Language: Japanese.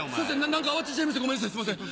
何か慌てちゃいましてごめんなさいすいません。